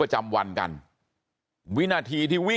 บอกแล้วบอกแล้วบอกแล้ว